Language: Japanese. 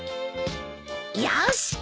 よし。